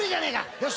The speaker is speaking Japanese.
よし。